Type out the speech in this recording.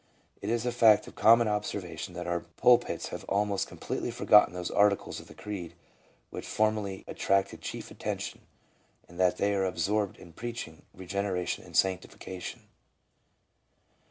It is a fact of common observation that our pulpits have almost com pletely forgotten those articles of the creed which formerly attracted chief attention, and that they are absorbed in preaching regeneration and sanctification.